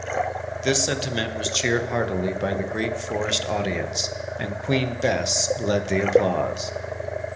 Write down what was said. "_ This sentiment was cheered heartily by the great forest audience, and "Queen Bess" led the applause!